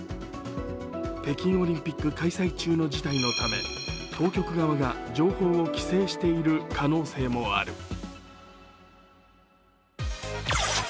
北京オリンピック開催中の事態のため当局側が情報を規制している可能性もある。